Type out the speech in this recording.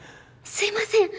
すいません